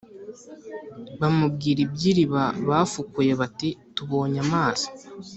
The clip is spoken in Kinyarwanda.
bamubwira iby iriba bafukuye bati Tubonye amazi